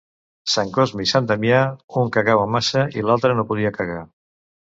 Sant Cosme i sant Damià: un cagava massa i l'altre no podia cagar.